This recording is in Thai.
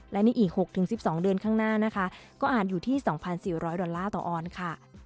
และในเอก๖๑๒เดือนข้างหน้าค่ะก็อาจอยู่ที่๒๔๐๐ต่อออนค่ะ